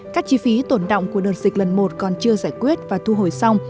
các chi phí tổn động của đợt dịch lần một còn chưa giải quyết và thu hồi xong